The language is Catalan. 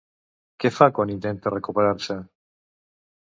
Què fa quan intenta recuperar-se?